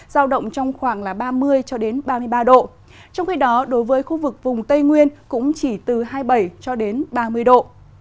giao động trong khoảng ba mươi ba mươi ba độ trong khi đó đối với khu vực vùng tây nguyên cũng chỉ từ hai mươi bảy cho đến ba mươi độ